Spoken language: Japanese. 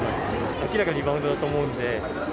明らかにリバウンドだと思うんで。